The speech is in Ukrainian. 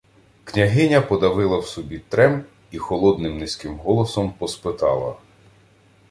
Княгиня подавила в собі трем і холодним низьким голосом поспитала: